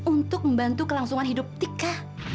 untuk membantu kelangsungan hidup tika